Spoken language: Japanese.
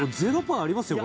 ０パーありますよ